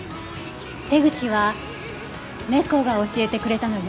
手口は猫が教えてくれたのよ。